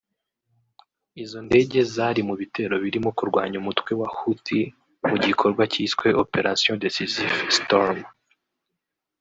Izo ndege zari mu bitero birimo kurwanya umutwe wa Houthi mu gikorwa cyiswe “Operation Decisive Storm”